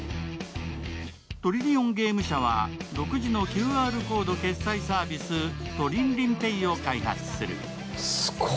トリリオンゲーム社は独自のＱＲコード決済サービス、トリンリンペイを開発する。